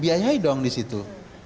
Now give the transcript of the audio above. biayai dong disitu